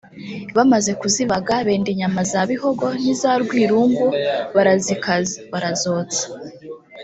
bamaze kuzibaga benda inyama za Bihogo n’iza Rwirungu barazikaza ( barazotsa)